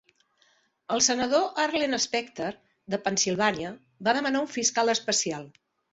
El senador Arlen Specter de Pennsilvània va demanar un fiscal especial.